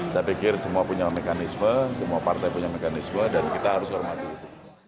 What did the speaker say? saya pikir semua punya mekanisme semua partai punya mekanisme dan kita harus hormati itu